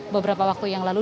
beberapa waktu yang lalu